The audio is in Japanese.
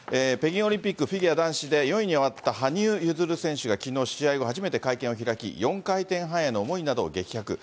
北京オリンピックフィギュア男子で４位に終わった羽生結弦選手がきのう、試合後初めて会見を開き、４回転半への思いなどを激白。